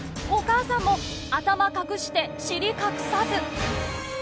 お母さんも頭隠して尻隠さず。